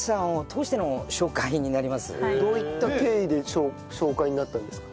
どういった経緯で紹介になったんですか？